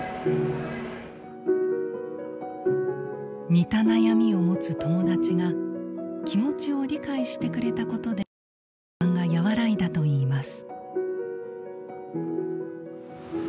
似た悩みを持つ友達が気持ちを理解してくれたことで不安が和らいだといいます。